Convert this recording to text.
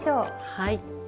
はい。